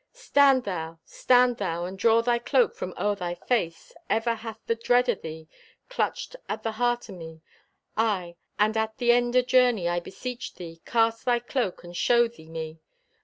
Stand thou! Stand thou! And draw thy cloak from o'er thy face! Ever hath the dread o' thee Clutched at the heart o' me. Aye, and at the end o' journey, I beseech thee, Cast thy cloak and show thee me!